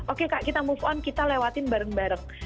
oke kak kita move on kita lewatin bareng bareng